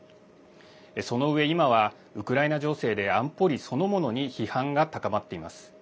そのうえ今はウクライナ情勢で安保理そのものに批判が高まっています。